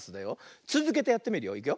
つづけてやってみるよ。いくよ。